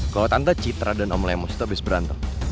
kalau tanda citra dan om lemos itu habis berantem